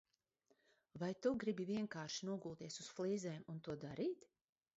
Vai tu gribi vienkārši nogulties uz flīzēm un to darīt?